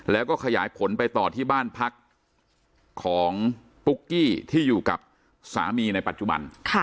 แล้วก็ขยายผลไปต่อที่บ้านพักของที่อยู่กับสามีในปัจจุบันค่ะครับ